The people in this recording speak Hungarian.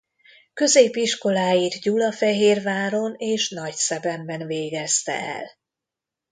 Középiskoláit Gyulafehérváron és Nagyszebenben végezte el.